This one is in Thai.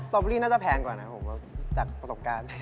สตรอบบอลลี่น่าจะแพงกว่านะจากประสบการณ์